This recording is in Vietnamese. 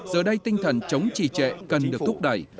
giờ đây tinh thần chống trì trệ cần được thúc đẩy